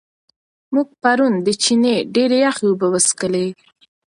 موږ پرون د چینې ډېرې یخې اوبه وڅښلې.